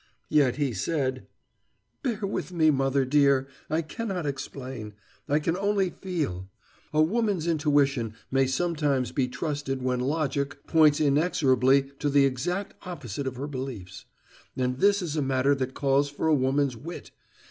"Yet he said " "Bear with me, mother dear! I cannot explain, I can only feel. A woman's intuition may sometimes be trusted when logic points inexorably to the exact opposite of her beliefs. And this is a matter that calls for a woman's wit.